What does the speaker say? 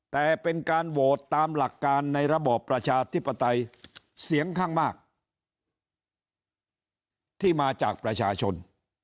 แต่เป็นการโหวตตามหลักการในระบอบประชาธิปไตยเสียงข้างมากที่มาจากประชาชน